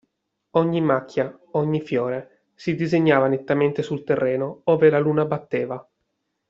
Ogni macchia, ogni fiore, si disegnava nettamente sul terreno ove la luna batteva.